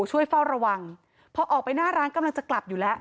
ช่วยเฝ้าระวังพอออกไปหน้าร้านกำลังจะกลับอยู่แล้ว